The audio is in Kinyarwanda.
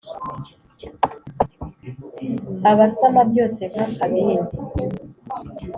abasama byose nk'akabindi